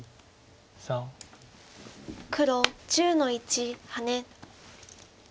黒１０の一ハネ。